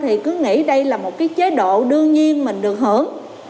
thì cứ nghĩ đây là một cái chế độ đương nhiên mình được hưởng